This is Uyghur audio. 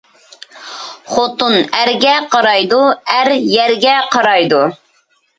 خوتۇن ئەرگە قارايدۇ، ئەر يەرگە قارايدۇ